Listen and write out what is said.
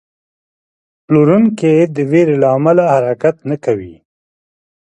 پلورونکی د ویرې له امله حرکت نه کوي.